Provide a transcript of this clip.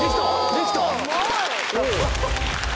できたよ！